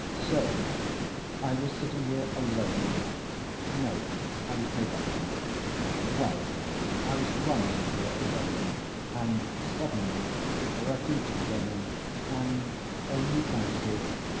So I was sitting here alone—no, I was laid up then. Well, I was lying here alone and suddenly Rakitin comes in, and only fancy!